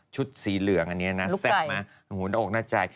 ชุดสีเหลืองอันนี้นะแซ่บมาโอ้โหน่าใจ